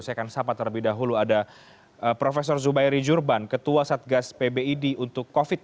saya akan sahabat terlebih dahulu ada prof zubairi jurban ketua satgas pbid untuk covid sembilan belas